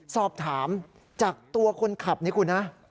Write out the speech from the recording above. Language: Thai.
สอบถามจากตัวคนขับนี่คุณนะ